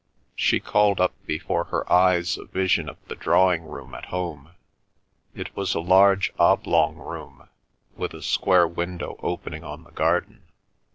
She called up before her eyes a vision of the drawing room at home; it was a large oblong room, with a square window opening on the garden.